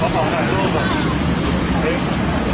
ขอบคุณครับขอบคุณครับ